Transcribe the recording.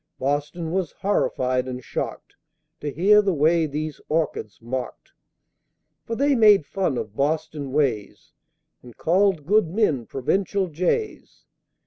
Boston was horrified and shocked To hear the way those Orchids mocked; For they made fun of Boston ways, And called good men Provincial Jays!